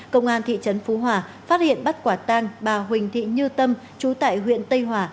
công an thị trấn phú hòa phát hiện bắt quả tang bà huỳnh thị như tâm chú tại huyện tây hòa